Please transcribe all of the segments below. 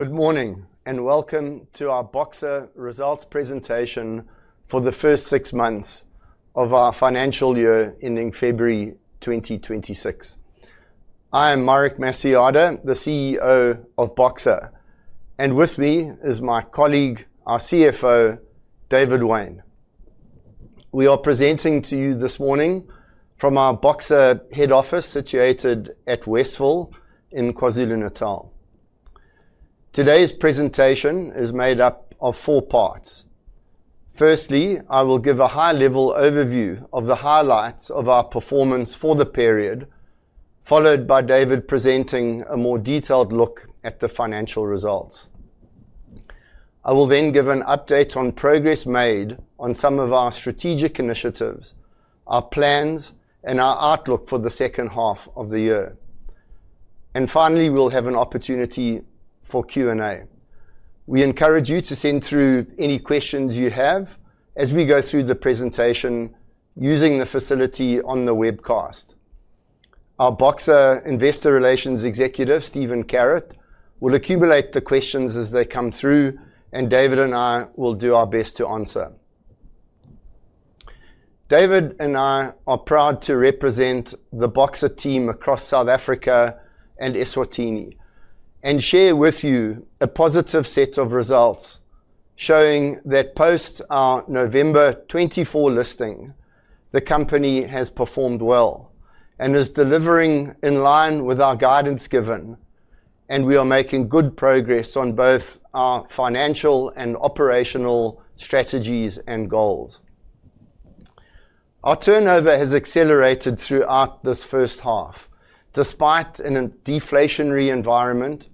Good morning and welcome to our Boxer results presentation for the first six months of our financial year ending February 2026. I am Marek Masojada, the CEO of Boxer, and with me is my colleague, our CFO David Wayne. We are presenting to you this morning from our Boxer head office situated at Westville in KwaZulu-Natal. Today's presentation is made up of four parts. Firstly, I will give a high-level overview of the highlights of our performance for the period, followed by David presenting a more detailed look at the financial results. I will then give an update on progress made on some of our strategic initiatives, our plans, and our outlook for the second half of the year. Finally, we'll have an opportunity for Q&A. We encourage you to send through any questions you have as we go through the presentation using the facility on the webcast. Our Boxer Investor Relations Executive, Stephen Carrott, will accumulate the questions as they come through, and David and I will do our best to answer. David and I are proud to represent the Boxer team across South Africa and Eswatini and share with you a positive set of results showing that post our November 2024 listing, the company has performed well and is delivering in line with our guidance given. We are making good progress on both our financial and operational strategies and goals. Our turnover has accelerated throughout this first half despite a deflationary environment,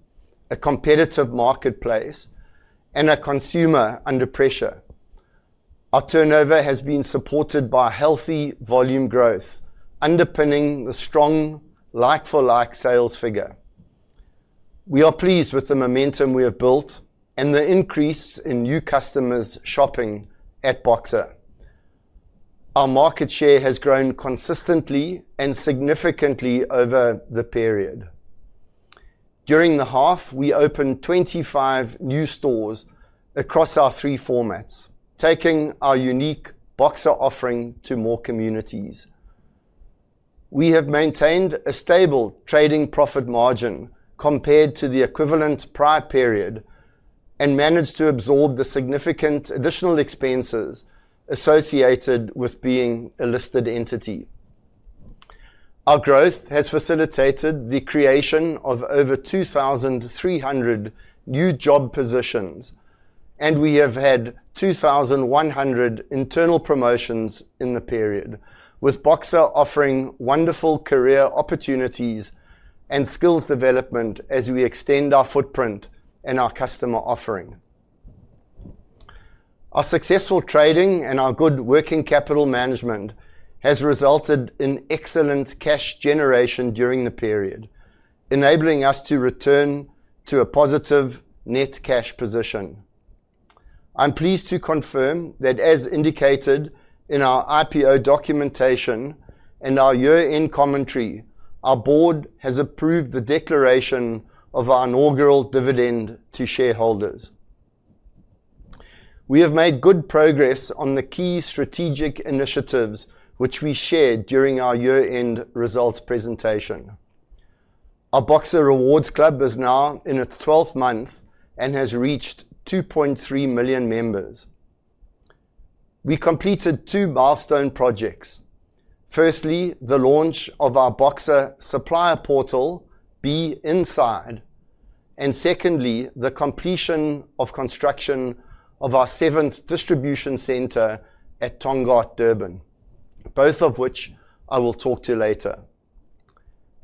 a competitive marketplace, and a consumer under pressure. Our turnover has been supported by healthy volume growth underpinning the strong like-for-like sales figure. We are pleased with the momentum we have built and the increase in new customers shopping at Boxer. Our market share has grown consistently and significantly over the period. During the half, we opened 25 new stores across our three formats, taking our unique Boxer offering to more communities. We have maintained a stable trading profit margin compared to the equivalent prior period and managed to absorb the significant additional expenses associated with being a listed entity. Our growth has facilitated the creation of over 2,300 new job positions, and we have had 2,100 internal promotions in the period, with Boxer offering wonderful career opportunities and skills development as we extend our footprint and our customer offering. Our successful trading and our good working capital management has resulted in excellent cash generation during the period, enabling us to return to a positive net cash position. I'm pleased to confirm that, as indicated in our IPO documentation and our year-end commentary, our board has approved the declaration of our inaugural dividend to shareholders. We have made good progress on the key strategic initiatives which we shared during our year-end results presentation. Our Boxer Rewards Club is now in its 12th month and has reached 2.3 million members. We completed two milestone projects: firstly, the launch of our Boxer supplier portal, B-Inside, and secondly, the completion of construction of our seventh distribution centre at Tongaat, Durban, both of which I will talk to later.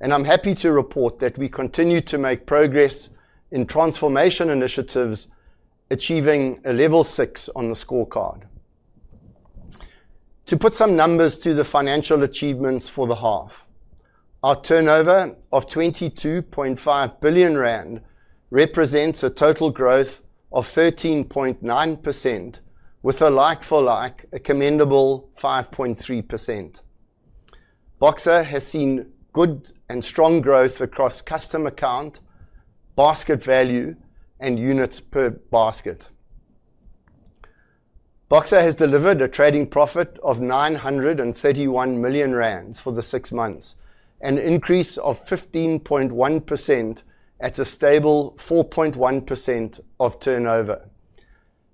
I'm happy to report that we continue to make progress in transformation initiatives, achieving a level six on the scorecard. To put some numbers to the financial achievements for the half, our turnover of R22.5 billion represents a total growth of 13.9% with a like-for-like, a commendable 5.3%. Boxer has seen good and strong growth across customer count, basket value, and units per basket. Boxer has delivered a trading profit of R931 million for the six months, an increase of 15.1% at a stable 4.1% of turnover.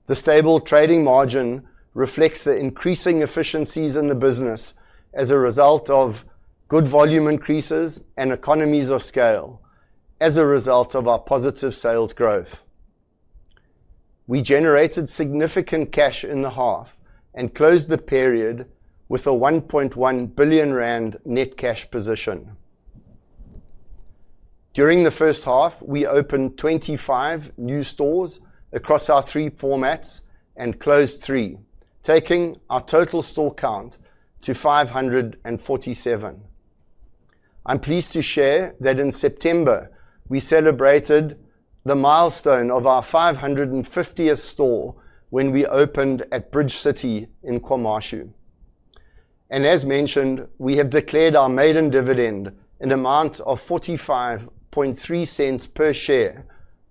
The stable trading margin reflects the increasing efficiencies in the business as a result of good volume increases and economies of scale. As a result of our positive sales growth, we generated significant cash in the half and closed the period with a R1.1 billion net cash position. During the first half, we opened 25 new stores across our three formats and closed three, taking our total store count to 547. I'm pleased to share that in September we celebrated the milestone of our 550th store when we opened at Bridge City in KwaMashu, and as mentioned, we have declared our maiden dividend, an amount of R0.453 per share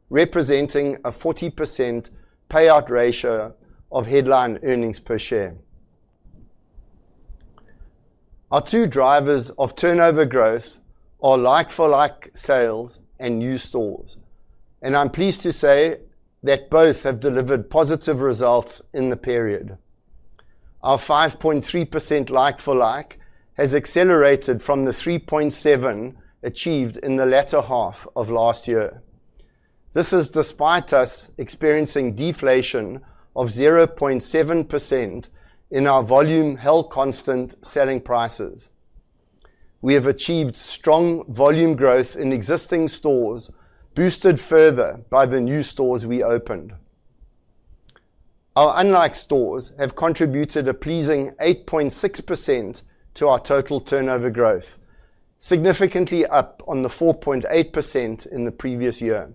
representing a 40% payout ratio of headline earnings per share. Our two drivers of turnover growth are like-for-like sales and new stores, and I'm pleased to say that both have delivered positive results in the period. Our 5.3% like-for-like has accelerated from the 3.7% achieved in the latter half of last year. This is despite us experiencing deflation of 0.7% in our volume held constant selling prices. We have achieved strong volume growth in existing stores, boosted further by the new stores we opened. Our unlike stores have contributed a pleasing 8.6% to our total turnover growth, significantly up on the 4.8% in the previous year.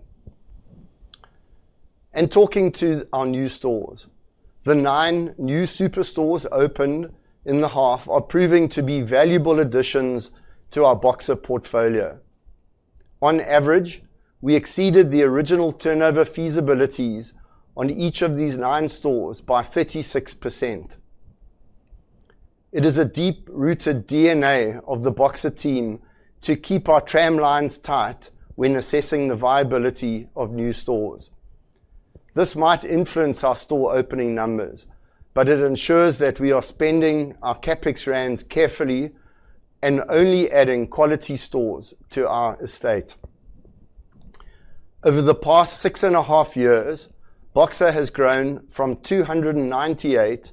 Talking to our new stores, the nine new superstores opened in the half are proving to be valuable additions to our Boxer portfolio. On average, we exceeded the original turnover feasibilities on each of these nine stores by 36%. It is a deep-rooted DNA of the Boxer team to keep our tramlines tight when assessing the viability of new stores. This might influence our store opening numbers, but it ensures that we are spending our CapEx Rands carefully and only adding quality stores to our estate. Over the past six and a half years, Boxer has grown from 298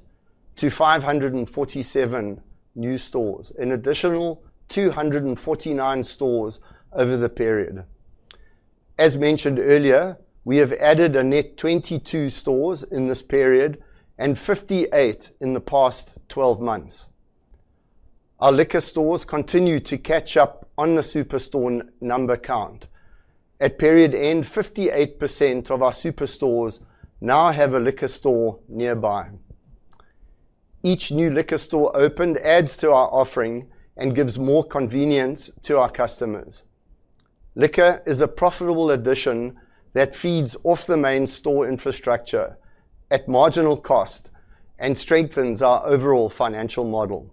to 547 stores, an additional 249 stores over the period. As mentioned earlier, we have added a net 22 stores in this period and 58 in the past 12 months. Our liquor stores continue to catch up on the superstore number count. At period end, 58% of our superstores now have a liquor store nearby. Each new liquor store opened adds to our offering and gives more convenience to our customers. Liquor is a profitable addition that feeds off the main store infrastructure at marginal cost and strengthens our overall financial model.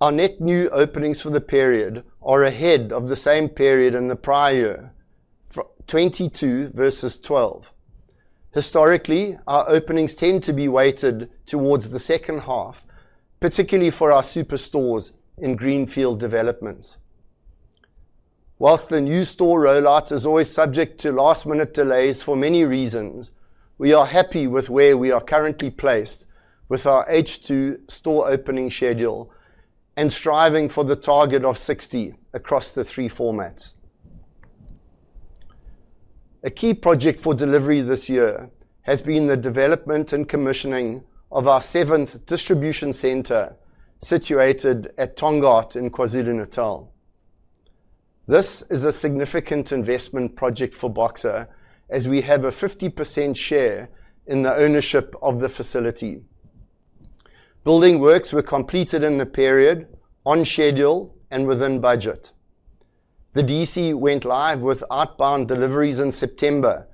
Our net new openings for the period are ahead of the same period in the prior year, 22 versus 12. Historically, our openings tend to be weighted towards the second half, particularly for our superstores in Greenfield developments. Whilst the new store rollout is always subject to last minute delays for many reasons, we are happy with where we are currently placed with our H2 store opening schedule and striving for the target of 60 across the three formats. A key project for delivery this year has been the development and commissioning of our seventh distribution centre situated at Tongaat in KwaZulu-Natal. This is a significant investment project for Boxer as we have a 50% share in the ownership of the facility. Building works were completed in the period on schedule and within budget. The DC went live with outbound deliveries in September,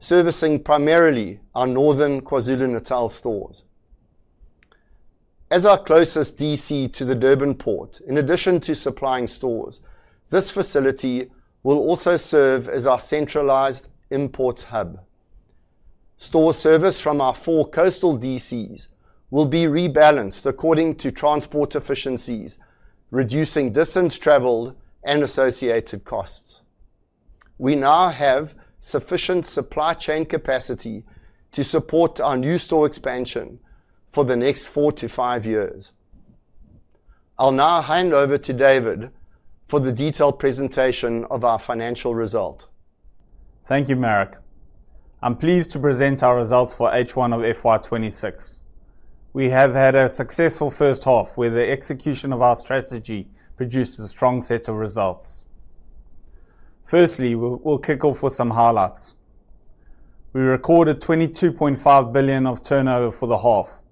servicing primarily our Northern KwaZulu-Natal stores as our closest DC to the Durban port. In addition to supplying stores, this facility will also serve as our centralized import hub. Store service from our four coastal DCs will be rebalanced according to transport efficiencies, reducing distance traveled and associated costs. We now have sufficient supply chain capacity to support our new store expansion for the next four to five years. I'll now hand over to David for the detailed presentation of our financial result. Thank you, Marek. I'm pleased to present our results for H1 of FY 2026. We have had a successful first half where the execution of our strategy produces a strong set of results. Firstly, we'll kick off with some highlights. We recorded R22.5 billion of turnover for the half,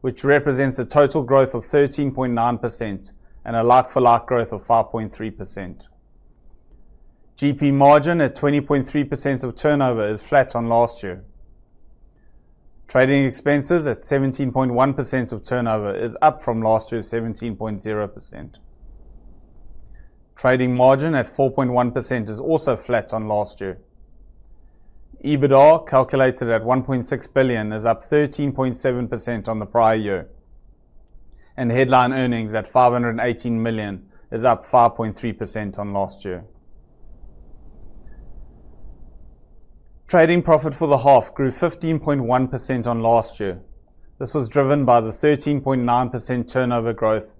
which represents a total growth of 13.9% and a like-for-like growth of 5.3%. GP margin at 20.3% of turnover is flat on last year. Trading expenses at 17.1% of turnover are up from last year's 17.0%. Trading margin at 4.1% is also flat on last year. EBITDA calculated at R1.6 billion is up 13.7% on the prior year, and headline earnings at R518 million are up 5.3% on last year. Trading profit for the half grew 15.1% on last year. This was driven by the 13.9% turnover growth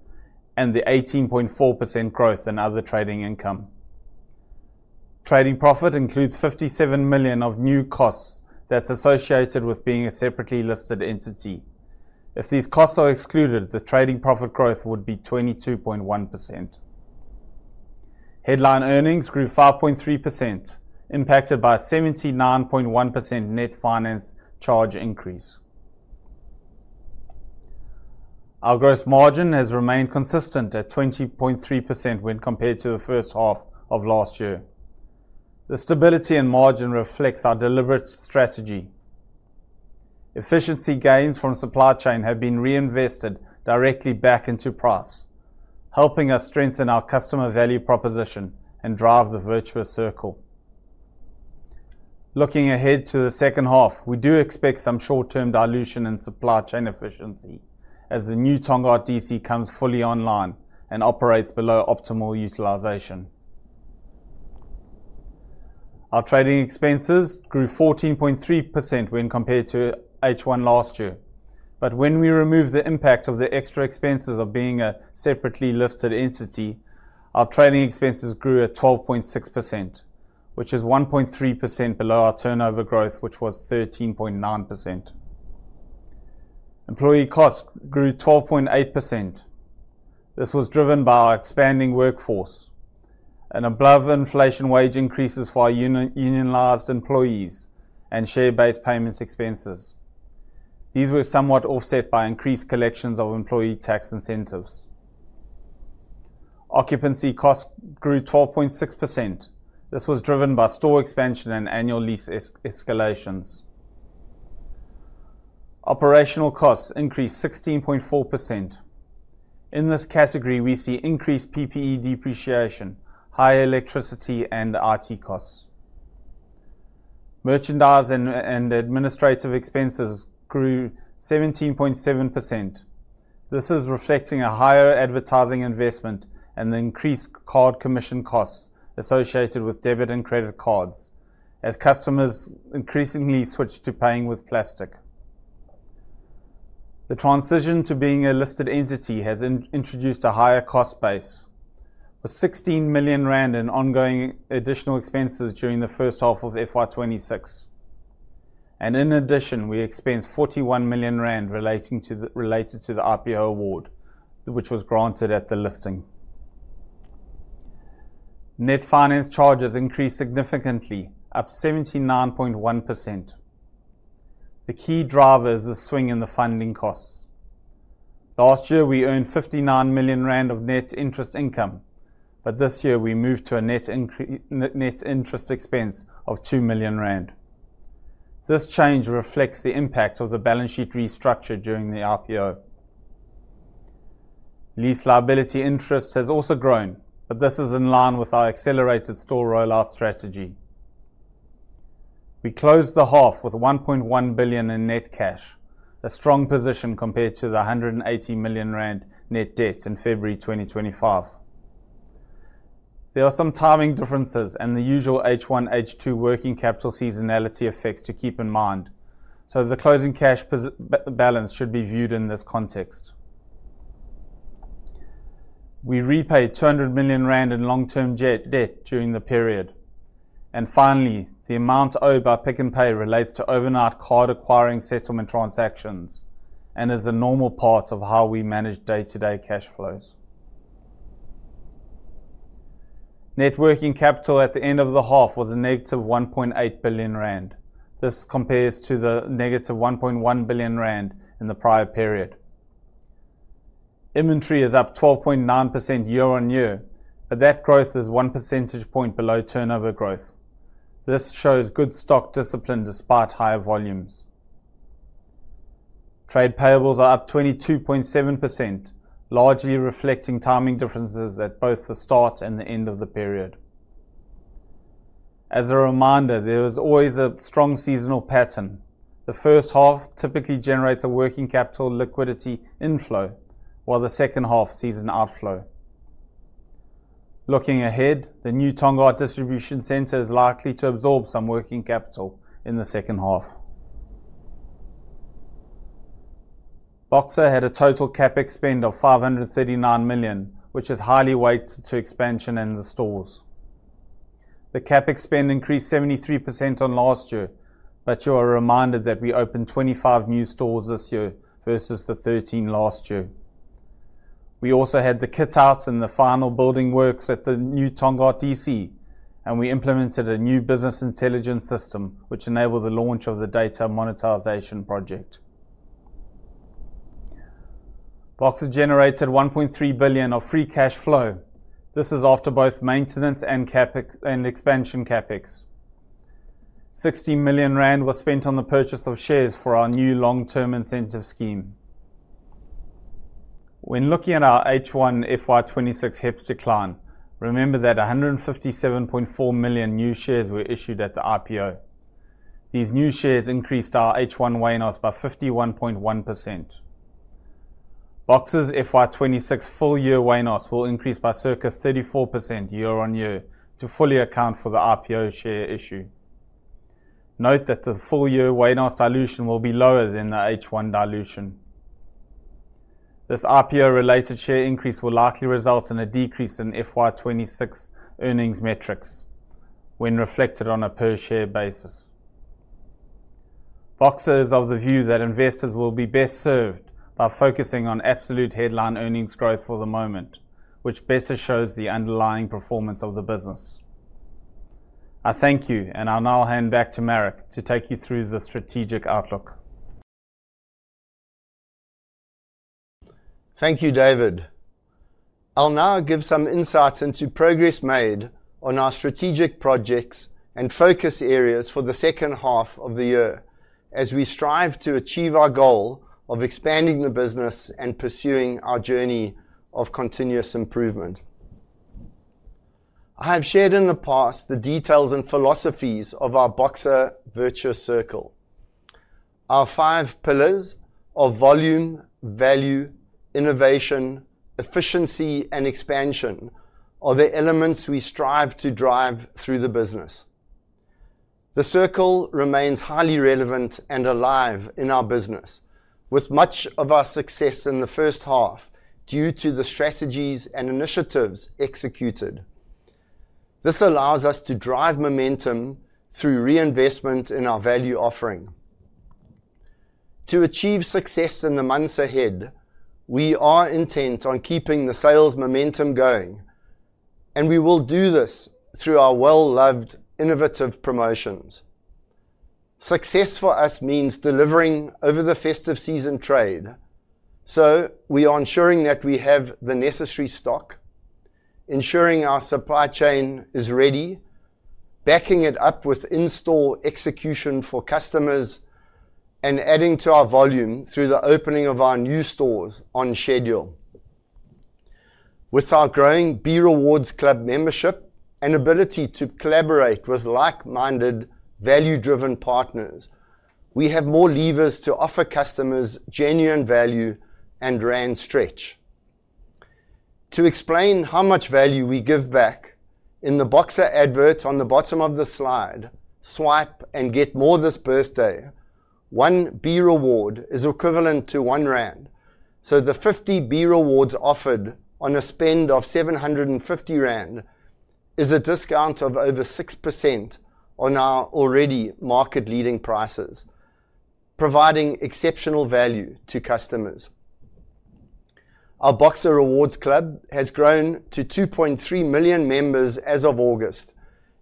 and the 18.4% growth in other trading income. Trading profit includes R57 million of new costs that's associated with being a separately listed entity. If these costs are excluded, the trading profit growth would be 22.1%. Headline earnings grew 5.3%, impacted by a 79.1% net finance charge increase. Our gross margin has remained consistent at 20.3% when compared to the first half of last year. The stability in margin reflects our deliberate strategy. Efficiency gains from supply chain have been reinvested directly back into price, helping us strengthen our customer value proposition and drive the virtuous circle. Looking ahead to the second half, we do expect some short-term dilution in supply chain efficiency as the new Tongaat DC comes fully online and operates below optimal utilization. Our trading expenses grew 14.3% when compared to H1 last year, but when we remove the impact of the extra expenses of being a separately listed entity, our trading expenses grew at 12.6%, which is 1.3% below our turnover growth, which was 13.9%. Employee costs grew 12.8%. This was driven by our expanding workforce and above-inflation wage increases for our unionized employees and share-based payments expenses. These were somewhat offset by increased collections of employee tax incentives. Occupancy costs grew 12.6%. This was driven by store expansion and annual lease escalations. Operational costs increased 16.4%. In this category, we see increased PPE depreciation, high electricity, and IT costs. Merchandise and administrative expenses grew 17.7%. This is reflecting a higher advertising investment and the increased card commission costs associated with debit and credit cards as customers increasingly switched to paying with plastic. The transition to being a listed entity has introduced a higher cost base with R16 million in ongoing additional expenses during the first half of FY 2026, and in addition we expense R41 million related to the IPO award which was granted at the listing. Net finance charges increased significantly, up 79.1%. The key driver is the swing in the funding costs. Last year we earned R59 million of net interest income, but this year we moved to a net interest expense of R2 million. This change reflects the impact of the balance sheet restructure during the IPO. Lease liability interest has also grown, but this is in line with our accelerated store rollout strategy. We closed the half with R1.1 billion in net cash, a strong position compared to the R180 million net debt in February 2025. There are some timing differences and the usual H1/H2 working capital seasonality effects to keep in mind, so the closing cash balance should be viewed in this context. We repaid R200 million in long-term debt during the period, and finally, the amount owed by Pick n Pay relates to overnight card acquiring settlement transactions and is a normal part of how we manage day-to-day cash flows. Net working capital at the end of the half was a negative R1.8 billion. This compares to the negative R1.1 billion in the prior period. Inventory is up 12.9% year-on-year, but that growth is 1% below turnover growth. This shows good stock discipline despite higher volumes. Trade payables are up 22.7%, largely reflecting timing differences at both the start and the end of the period. As a reminder, there is always a strong seasonal pattern. The first half typically generates a working capital liquidity inflow while the second half sees an outflow. Looking ahead, the new Tongaat distribution centre is likely to absorb some working capital in the second half. Boxer Retail Limited had a total CapEx spend of R539 million, which is highly weighted to expansion in the stores. The CapEx spend increased 73% on last year, but you are reminded that we opened 25 new stores this year versus the 13 last year. We also had the kit out and the final building works at the new Tongaat DC, and we implemented a new business intelligence system which enabled the launch of the data monetization project. Boxer Retail Limited generated R1.3 billion of free cash flow. This is after both maintenance and expansion CapEx. R60 million was spent on the purchase of shares for our new long-term incentive scheme. When looking at our H1 FY 2026 HEPS decline, remember that 157.4 million new shares were issued at the IPO. These new shares increased our H1 WANOS by 51.1%. Boxer's FY 2026 full year WANOS will increase by circa 34% year-on-year to fully account for the IPO share issue. Note that the full year WANOS dilution will be lower than the H1 dilution. This IPO-related share increase will likely result in a decrease in FY 2026 earnings metrics when reflected on a per share basis. Boxer is of the view that investors will be best served by focusing on absolute headline earnings growth for the moment, which better shows the underlying performance of the business. I thank you and I'll now hand back to Marek to take you through the strategic outlook. Thank you, David. I'll now give some insights into progress made on our strategic projects and focus areas for the second half of the year as we strive to achieve our goal of expanding the business and pursuing our journey of continuous improvement. I have shared in the past the details and philosophies of our Boxer Virtuous Circle. Our five pillars of volume, value, innovation, efficiency, and expansion are the elements we strive to drive through the business. The Circle remains highly relevant and alive in our business, with much of our success in the first half due to the strategies and initiatives executed. This allows us to drive momentum and, through reinvestment in our value offering, to achieve success in the months ahead. We are intent on keeping the sales momentum going, and we will do this through our well-loved innovative promotions. Success for us means delivering over the festive season trade, so we are ensuring that we have the necessary stock, ensuring our supply chain is ready, backing it up with in-store execution for customers, and adding to our volume through the opening of our new stores on schedule. With our growing Boxer Rewards Club membership and ability to collaborate with like-minded value-driven partners, we have more levers to offer customers genuine value and Rand stretch to explain how much value we give back in the Boxer advert on the bottom of the slide Swipe and Get More. This birthday 1 B reward is equivalent to R1, so the 50 B rewards offered on a spend of R750 is a discount of over 6% on our already market-leading prices, providing exceptional value to customers. Our Boxer Rewards Club has grown to 2.3 million members as of August,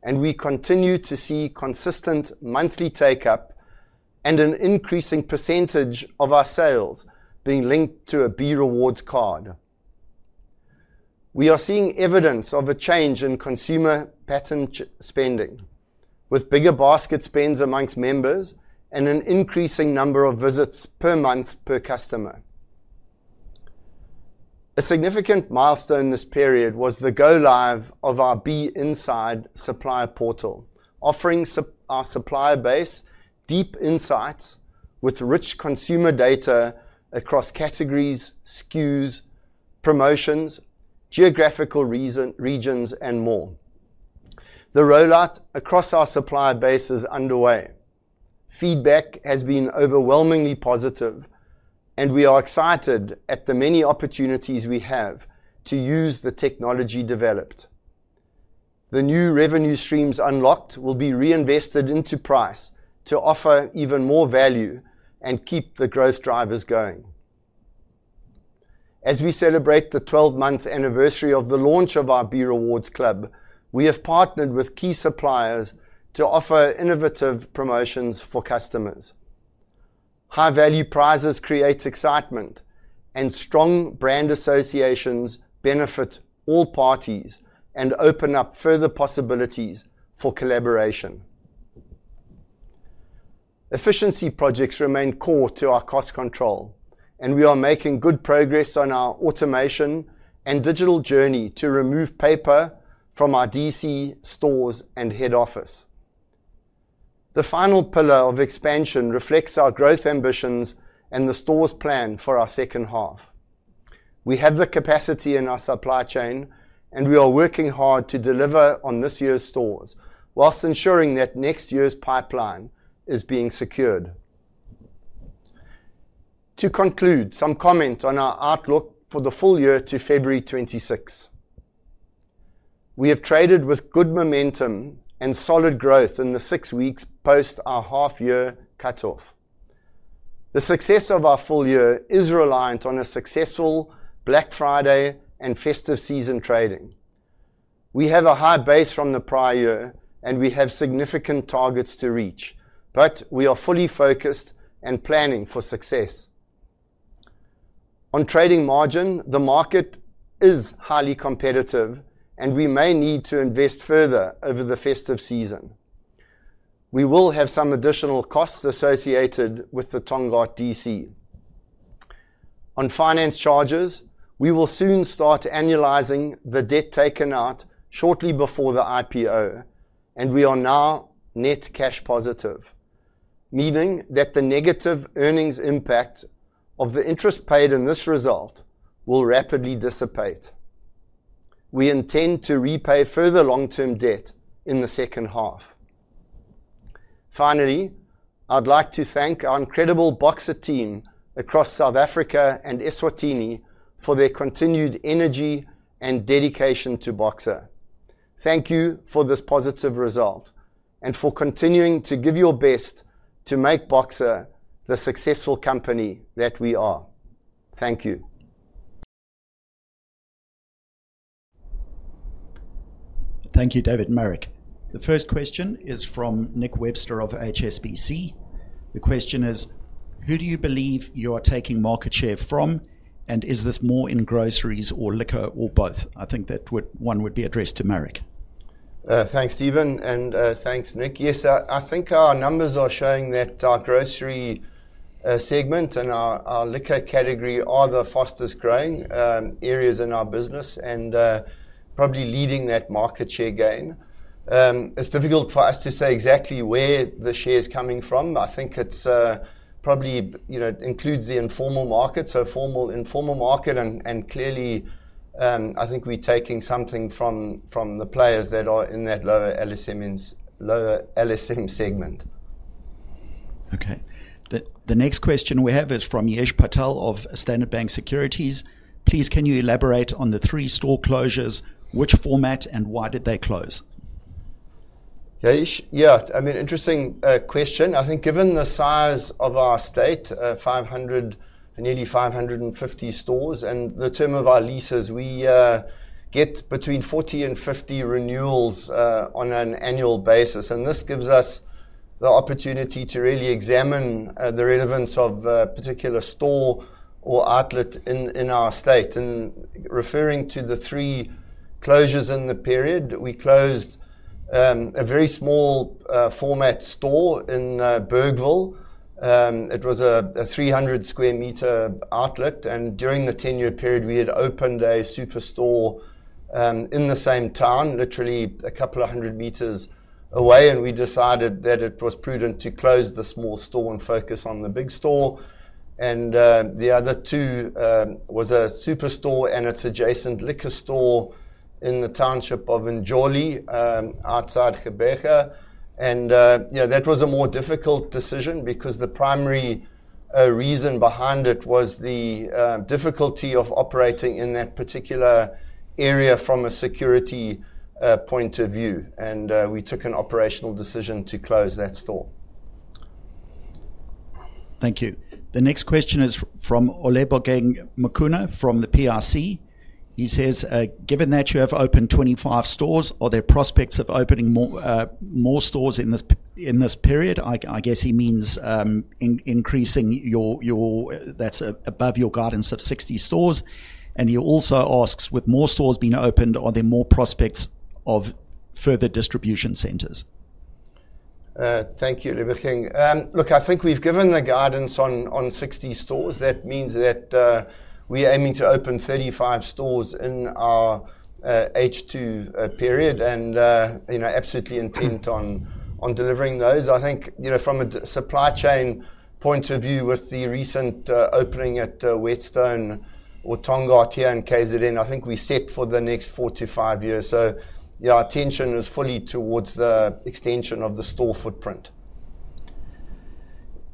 and we continue to see consistent monthly take up and an increasing percentage of our sales being linked to a Boxer Rewards Club card. We are seeing evidence of a change in consumer pattern spending, with bigger basket spends amongst members and an increasing number of visits per month per customer. A significant milestone this period was the Go Live of our B-Inside supplier portal, offering our supplier base deep insights with rich consumer data across categories, SKUs, promotions, geographical regions, and more. The rollout across our supplier base is underway. Feedback has been overwhelmingly positive, and we are excited at the many opportunities we have to use the technology developed. The new revenue streams unlocked will be reinvested into price to offer even more value and keep the growth drivers going as we celebrate the 12 month anniversary of the launch of our Boxer Rewards Club. We have partnered with key suppliers to offer innovative promotions for customers. High value prizes create excitement and strong brand associations, benefit all parties, and open up further possibilities for collaboration. Efficiency projects remain core to our cost control, and we are making good progress on our automation and digital journey to remove paper from our DC stores and head office. The final pillar of expansion reflects our growth ambitions and the stores plan for our second half. We have the capacity in our supply chain, and we are working hard to deliver on this year's stores whilst ensuring that next year's pipeline is being secured. To conclude, some comment on our outlook for the full year to February 26. We have traded with good momentum and solid growth in the six weeks post our half year cutoff. The success of our full year is reliant on a successful Black Friday and festive season trading. We have a high base from the prior year, and we have significant targets to reach, but we are fully focused and planning for success on trading margin. The market is highly competitive, and we may need to invest further over the festive season. We will have some additional costs associated with the Tongaat DC on finance charges. We will soon start annualizing the debt taken out shortly before the IPO, and we are now net cash positive, meaning that the negative earnings impact of the interest paid in this result will rapidly dissipate. We intend to repay further long term debt in the second half. Finally, I'd like to thank our incredible Boxer team across South Africa and Eswatini for their continued energy and dedication to Boxer. Thank you for this positive result and for continuing to give your best to make Boxer the successful company that we are. Thank you. Thank you, David and Marek. The first question is from Nick Webster of HSBC. The question is who do you believe you are taking market share from and is this more in groceries or liquor or both? I think that one would be addressed to Marek. Thanks, Stephen, and thanks, Nick. Yes, I think our numbers are showing that our grocery segment and our liquor category are the fastest growing areas in our business and probably leading that market share gain. It's difficult for us to say exactly where the share is coming from. I think it probably includes the informal market, so formal, informal market, and clearly I think we're taking something from the players that are in that lower LSM segment. Okay, the next question we have is from Yash Patel of Standard Bank Securities. Please can you elaborate on the three store closures, which format and why did they close? Yeah, I mean interesting question. I think given the size of our estate, nearly 550 stores and the term of our leases, we get between 40 and 50 renewals on an annual basis. This gives us the opportunity to really examine the relevance of a particular store or outlet in our estate. Referring to the three closures in the period, we closed a very small format store in Bergville. It was a 300 square meter outlet. During the 10-year period, we had opened a superstore in the same town, literally a couple of hundred meters away. We decided that it was prudent to close the small store and focus on the big store. The other two were a superstore and its adjacent liquor store in the township of Njoli outside. That was a more difficult decision because the primary reason behind it was the difficulty of operating in that particular area from a security point of view. We took an operational decision to close that store. Thank you. The next question is from Olebogeng Mukuna from the PRC. He says given that you have opened 25 stores, are there prospects of opening more stores in this period? I guess he means increasing your guidance of 60 stores. He also asks with more stores being opened, are there more prospects of further distribution centers? Thank you. Look, I think we've given the guidance on 60 stores. That means that we are aiming to open 35 stores in our H2 period and absolutely intent on delivering those. I think from a supply chain point of view, with the recent opening at Whetstone, with Tongaat here in KwaZulu-Natal, I think we are set for the next four to five years. Your attention is fully towards the extension of the store footprint.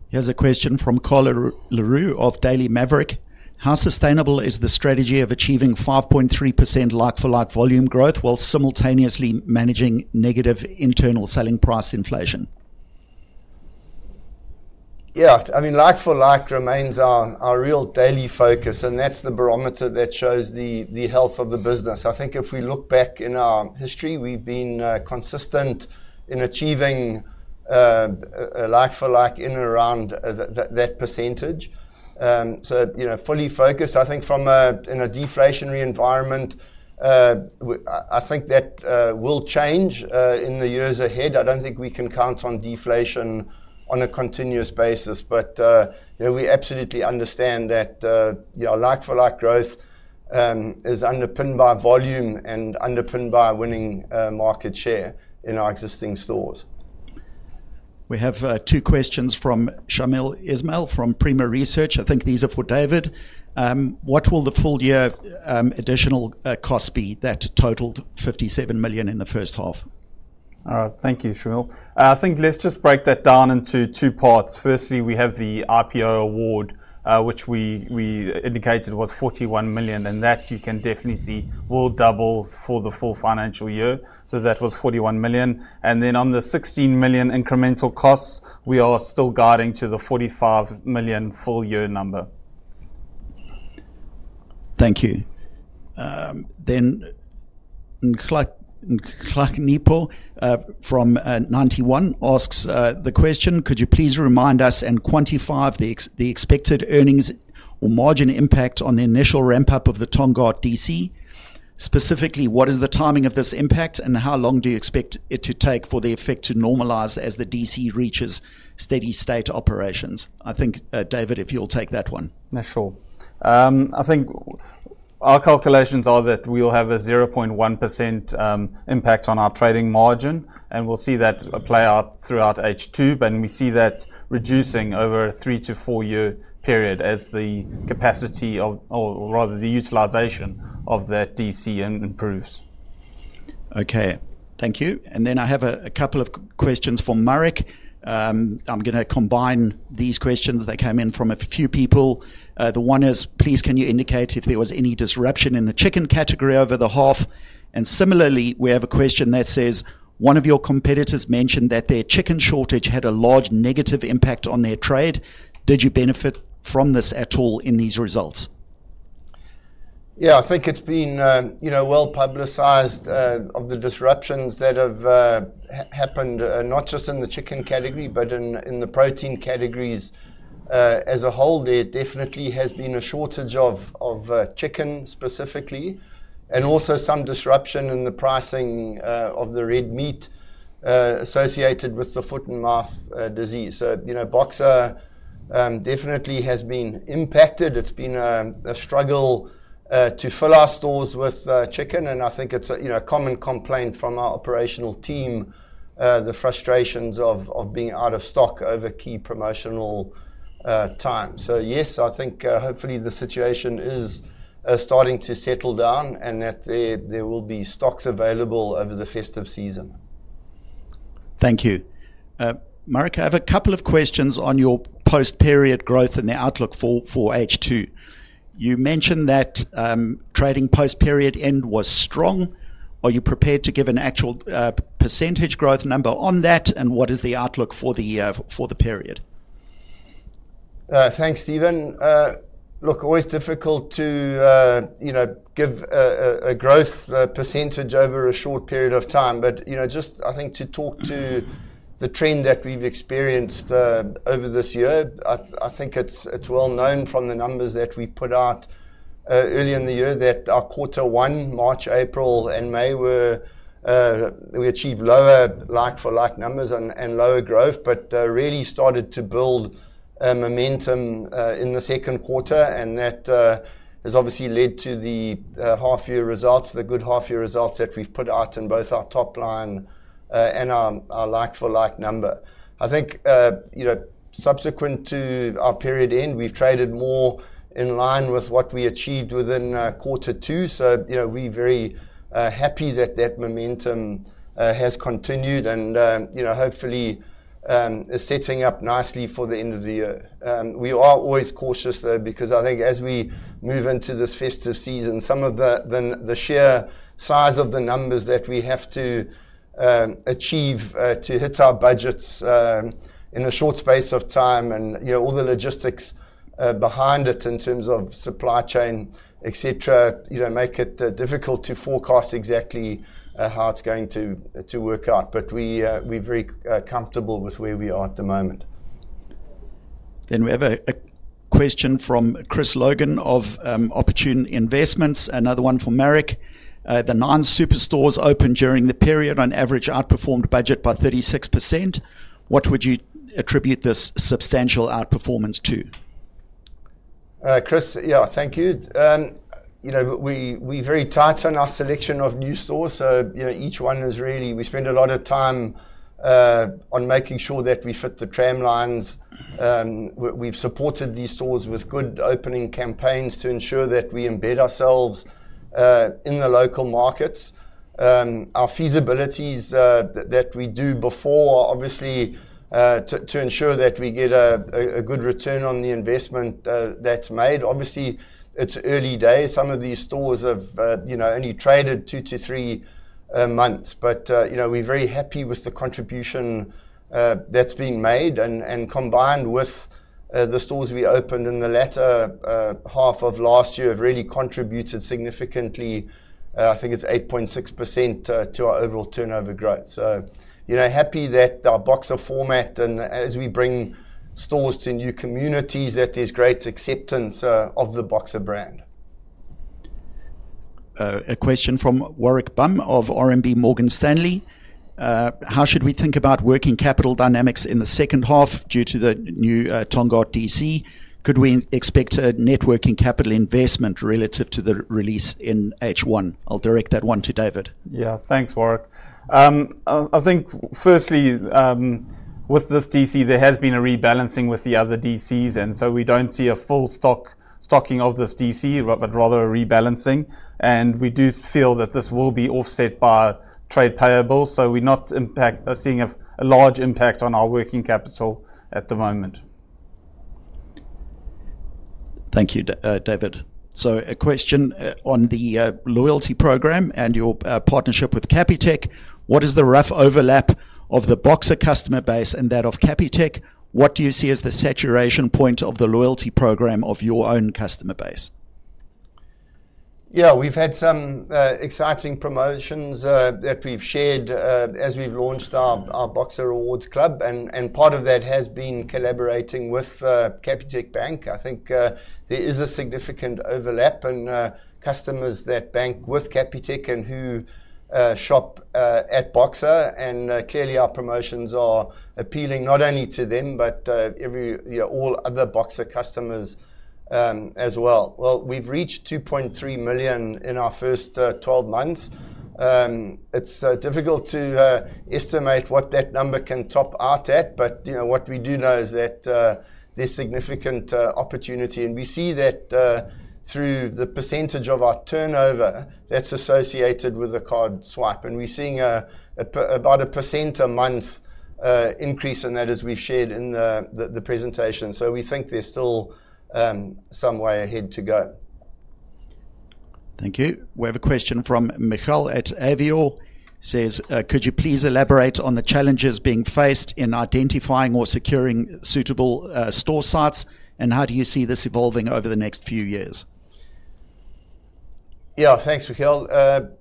Here's a question from Carla Larue of Daily Maverick. How sustainable is the strategy of achieving 5.3% like-for-like volume growth while simultaneously managing negative internal selling price inflation? Yeah, I mean like for like remains our real daily focus, and that's the barometer that shows the health of the business. I think if we look back in our history, we've been consistent in achieving like for like in around that %. You know, fully focused. I think in a deflationary environment, I think that will change in the years ahead. I don't think we can count on deflation on a continuous basis. We absolutely understand that like for like growth is underpinned by volume and underpinned by winning market share in our existing stores. We have two questions from Shamil Ismail from Prima Research. I think these are for David. What will the full year additional cost be that totaled $57 million in the first half? All right, thank you, Shamil. I think let's just break that down into two parts. Firstly, we have the IPO award, which we indicated was 41 million. You can definitely see that will double for the full financial year. That was 41 million. On the 16 million incremental costs, we are still guiding to the 45 million full year number. Thank you. Clark Nepo from Ninety One asks the question. Could you please remind us and quantify the expected earnings or margin impact on the initial ramp up of the Tongaat DC? Specifically, what is the timing of this impact and how long do you expect it to take for the effect to normalize as the D.C. reaches steady state operations? I think, David, if you'll take that one. Sure. I think our calculations are that we will have a 0.1% impact on our trading margin. We'll see that play out throughout H2. We see that reducing over a three to four year period as the capacity, or rather the utilization of that DC improves. Okay, thank you. I have a couple of questions for Marek. I'm going to combine these questions that came in from a few people. The one is, please, can you indicate if there was any disruption in the chicken category over the half? Similarly, we have a question that says one of your competitors mentioned that their chicken shortage had a large negative impact on their trade. Did you benefit from this at all in these results? I think it's been, you know, well publicized of the disruptions that have happened, not just in the chicken category, but in the protein categories as a whole. There definitely has been a shortage of chicken specifically, and also some disruption in the pricing of the red meat associated with the foot and mouth disease. Boxer definitely has been impacted. It's been a struggle to fill our stores with chicken. I think it's a common complaint from our operational team, the frustrations of being out of stock over key promotional times. Yes, I think hopefully the situation is starting to settle down and that there will be stocks available over the festive season. Thank you. Marek, I have a couple of questions on your post period growth and the outlook for H2. You mentioned that trading post period end was strong. Are you prepared to give an actual % growth number on that? What is the outlook for the period? Thanks, Stephen. Always difficult to, you know, give a growth percentage over a short period of time. I think to talk to the trend that we've experienced over this year, it's well known from the numbers that we put out early in the year that our quarter one, March, April, and May, we achieved lower like-for-like numbers and lower growth, but really started to build momentum in the second quarter. That has obviously led to the half-year results, the good half-year results that we've put out in both our top line and our like-for-like number. I think, subsequent to our period end, we've traded more in line with what we achieved within quarter two. We are very happy that that momentum has continued and, you know, hopefully is setting up nicely for the end of the year. We are always cautious though because as we move into this festive season, some of the sheer size of the numbers that we have to achieve to hit our budgets in a short space of time and all the logistics behind it in terms of supply chain, etc., make it difficult to forecast exactly how it's going to work out. We're very comfortable with where we are at the moment. We have a question from Chris Logan of Opportune Investments. Another one for Marek. The nine superstores opened during the period on average outperformed budget by 36%. What would you attribute this substantial outperformance to? Yeah, thank you. We very tighten our selection of new stores, so each one is really. We spend a lot of time on making sure that we fit the tramlines. We've supported these stores with good opening campaigns to ensure that we embed ourselves in the local markets. Our feasibilities that we do before, obviously to ensure that we get a good return on the investment that's made. Obviously it's early days, some of these stores have only traded two to three months, but we're very happy with the contribution that's been made and combined with the stores we opened in the latter half of last year have really contributed significantly. I think it's 8.6% to our overall turnover growth. You know, happy that our Boxer format and as we bring stores to new communities that there's great acceptance of the Boxer brand. A question from Warwick Bam of RMB Morgan Stanley. How should we think about working capital dynamics in the second half due to the new Tongaat DC, could we expect a net working capital investment relative to the release in H1? I'll direct that one to David. Yeah, thanks Warwick. I think firstly with this DC there has been a rebalancing with the other DCs, and we don't see a full stocking of this DC but rather a rebalancing, and we do feel that this will be offset by trade payables. We're not seeing a large impact on our working capital at the moment. Thank you, David. A question on the loyalty program and your partnership with Capitec. What is the rough overlap of the Boxer customer base and that of Capitec? What do you see as the saturation point of the loyalty program of your own customer base? Yeah, we've had some exciting promotions that we've shared as we've launched our Boxer Rewards Club and part of that has been collaborating with Capitec Bank. I think there is a significant overlap in customers that bank with Capitec and who shop at Boxer, and clearly our promotions are appealing not only to them but all other Boxer customers as well. We've reached 2.3 million in our first 12 months. It's difficult to estimate what that number can top out at. What we do know is that there is significant opportunity, and we see that through the percentage of our turnover that's associated with the card swipe. We're seeing about a % a month increase in that, as we've shared in the presentation. We think there's still some way ahead to go. Thank you. We have a question from Michal at Avior who says could you please elaborate on the challenges being faced in identifying or securing suitable store sites, and how do you see this evolving over the next few years? Yeah, thanks, Michal.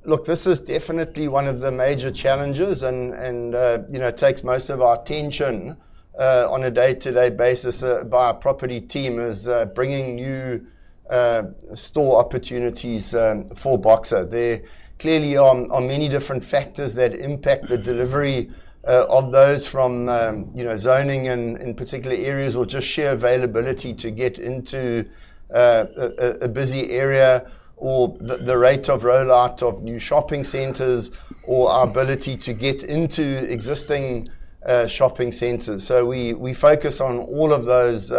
Look, this is definitely one of the major challenges and, you know, takes most of our attention on a day-to-day basis by our property team is bringing new store opportunities for Boxer. There clearly are many different factors that impact the delivery of those, from zoning in particular areas or just sheer availability to get into a busy area, or the rate of rollout of new shopping centres, or our ability to get into existing shopping centres. We focus on all of those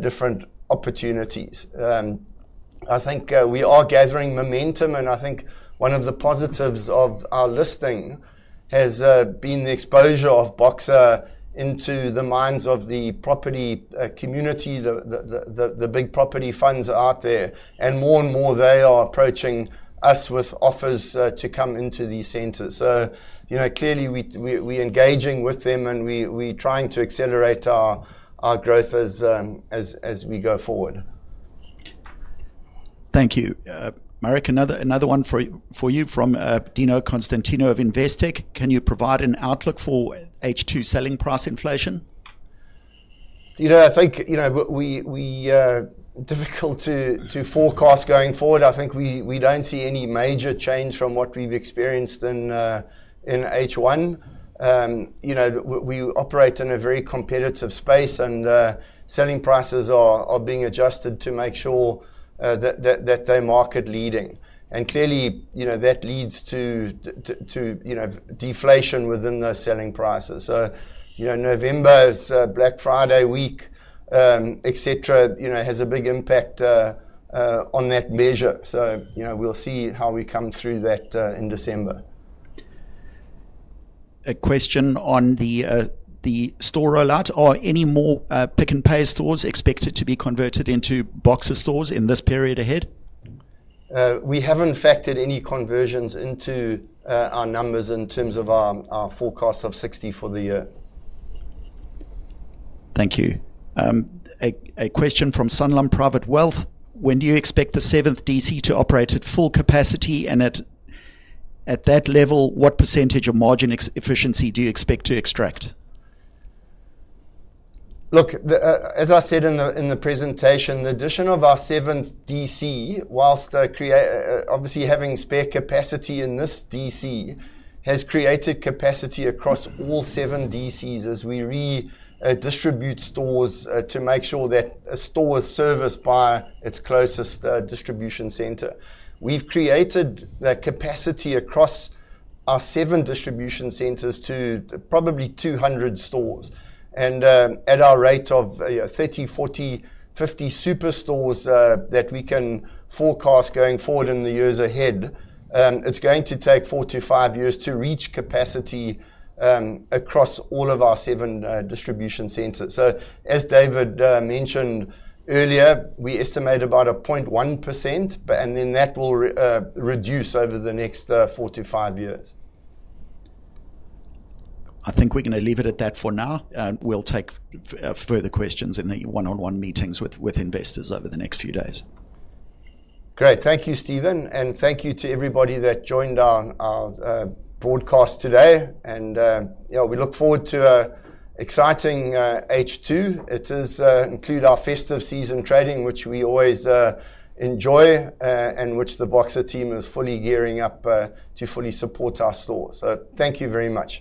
different opportunities. I think we are gathering momentum, and I think one of the positives of our listing has been the exposure of Boxer into the minds of the property community. The big property funds out there, and more and more they are approaching us with offers to come into these centres. You know, clearly we are engaging with them, and we are trying to accelerate our growth as we go forward. Thank you, Marek. Another one for you from Dino Constantinou of Investec. Can you provide an outlook for H2 selling price inflation? I think we are difficult to forecast going forward. I think we don't see any major change from what we've experienced in H1. We operate in a very competitive space, and selling prices are being adjusted to make sure that they are market leading, and clearly that leads to deflation within those selling prices. November is Black Friday Week, etc., which has a big impact on that measure. We'll see how we come through that in December. A question on the store rollout. Are any more Pick n Pay stores expected to be converted into Boxer stores in this period ahead? We haven't factored any conversions into our. Numbers in terms of our forecast of 60 for the year. Thank you. A question from Sanlam Private Wealth. When do you expect the 7th DC to operate at full capacity, and at that level, what percentage of margin efficiency do you expect to extract? Look, as I said in the presentation, the addition of our 7th DC, whilst obviously having spare capacity in this DC, has created capacity across all seven DCs as we redistribute stores to make sure that a store is serviced by its closest distribution center. We've created the capacity across our seven distribution centers to probably 200 stores, and at our rate of 30, 40, 50 superstores that we can forecast going forward in the years ahead, it's going to take four to five years to reach capacity across all of our seven distribution centers. As David mentioned earlier, we estimate about a 0.1%, and then that will reduce over the next four to five years. I think we're going to leave it at that for now. We'll take further questions in the one on one meetings with investors over the next few days. Great. Thank you, Stephen. Thank you to everybody that joined on our broadcast today. We look forward to exciting H2. It does include our festive season trading, which we always enjoy and which the Boxer team is fully gearing up to fully support our store. Thank you very much.